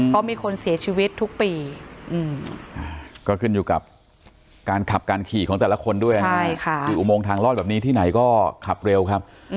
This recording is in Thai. เพราะมีคนเสียชีวิตทุกปีก็ขึ้นอยู่กับการขับการขี่ของแต่ละคนด้วยนะที่อุโมงทางลอดแบบนี้ที่ไหนก็ขับเร็วครับ